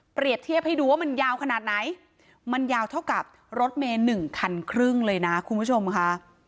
เปรียบเทียบให้ดูว่ามันยาวขนาดไหนมันยาวเท่ากับรถเมศ๑๕๐๐เลยนะคะคุณผู้ชมนะคะ